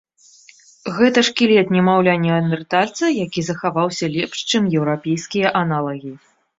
Гэта шкілет немаўля-неандэртальца, які захаваўся лепш, чым еўрапейскія аналагі.